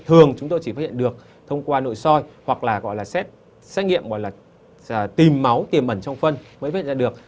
thường chúng tôi chỉ phát hiện được thông qua nội soi hoặc là xét nghiệm tìm máu tìm ẩn trong phân mới phát hiện ra được